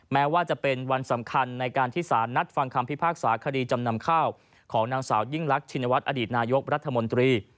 แม้ว่าจะเป็นวันสำคัญในการที่สารนัดฟังคำพิพากษาคดีจำนำข้าวของนางสาวยิ่งรักชินวัฒนอดีตนายกรัฐมนตรี